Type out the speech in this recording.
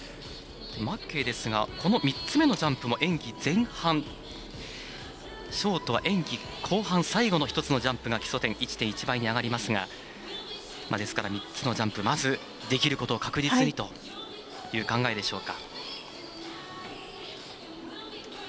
マッケイですがこの３つ目の演技前半、ショートは演技後半最後の１つのジャンプが基礎点１．１倍に上がりますがですから、３つのジャンプまずできることから確実にという考えでしょうか。